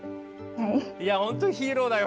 いや本当にヒーローだよ